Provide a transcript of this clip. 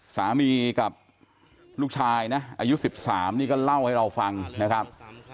สามีกับลูกชายนะอายุ๑๓นี่ก็เล่าให้เราฟังนะครับ